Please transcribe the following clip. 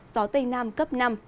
gió tây nam cấp năm